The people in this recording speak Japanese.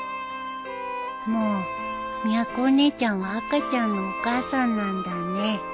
もうみやこお姉ちゃんは赤ちゃんのお母さんなんだね